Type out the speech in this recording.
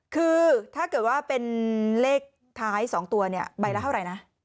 คือถ้าเกิดว่าเป็นเลขท้าย๒ตัวเนี่ยใบละเท่าไหร่นะ